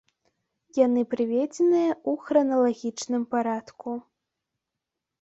Яны прыведзеныя ў храналагічным парадку.